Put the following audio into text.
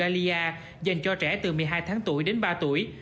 ali dành cho trẻ từ một mươi hai tháng tuổi đến ba tuổi